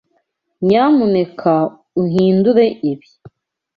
Nyamuneka uhindure ibi?